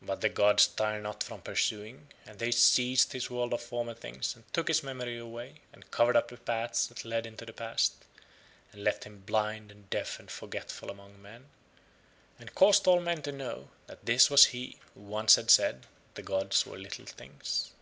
But the gods tire not from pursuing, and They seized his world of former things and took his memory away and covered up the paths that led into the past, and left him blind and deaf and forgetful among men, and caused all men to know that this was he who once had said that the gods were little things.